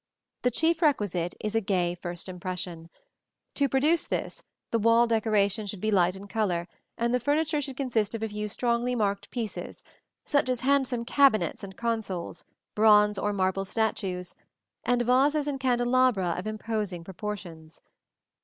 The chief requisite is a gay first impression. To produce this, the wall decoration should be light in color, and the furniture should consist of a few strongly marked pieces, such as handsome cabinets and consoles, bronze or marble statues, and vases and candelabra of imposing proportions.